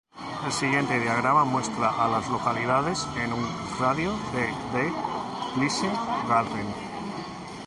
El siguiente diagrama muestra a las localidades en un radio de de Pleasant Garden.